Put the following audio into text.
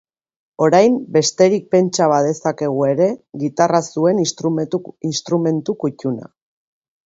Orain besterik pentsa badezakegu ere, gitarra zuen instrumentu kuttuna.